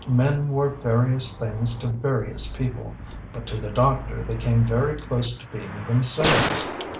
Men were various things to various people, but to the doctor they came very close to being themselves.